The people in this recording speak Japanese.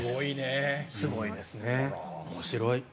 面白い。